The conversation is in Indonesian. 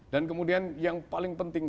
dan kemudian yang paling penting